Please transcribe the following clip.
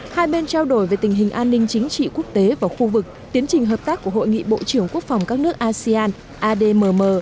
hai bên trao đổi về tình hình an ninh chính trị quốc tế và khu vực tiến trình hợp tác của hội nghị bộ trưởng quốc phòng các nước asean admm